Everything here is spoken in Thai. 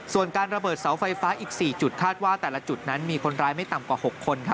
ส่วนการระเบิดเสาไฟฟ้าอีก๔จุดคาดว่าแต่ละจุดนั้นมีคนร้ายไม่ต่ำกว่า๖คน